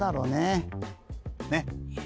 ねっ！